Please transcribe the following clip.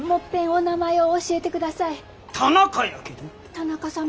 田中様。